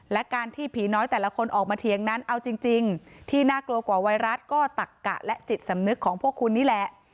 และการที่ผีน้อยแต่ละคนออกมาเถียงนั้นเอาจริงที่น่ากลัวกว่าไวรัสก็ตักกะและจิตสำนึกของพวกคุณนี่แหละ